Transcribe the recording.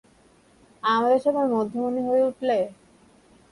আমাদের সবার মধ্যমণি হয়ে উঠলে।